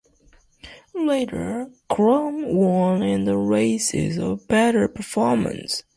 Later, Chrome won in the races of better performance.